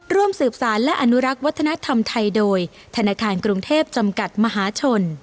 ร่วมสืบสารและอนุรักษ์วัฒนธรรมไทยโดยธนาคารกรุงเทพจำกัดมหาชน